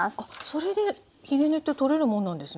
それでひげ根って取れるもんなんですね？